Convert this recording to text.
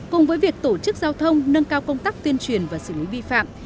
cùng với việc tổ chức giao thông nâng cao công tác tuyên truyền và xử lý vi phạm